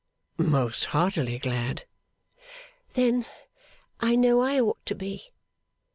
Most heartily glad!' 'Then I know I ought to be.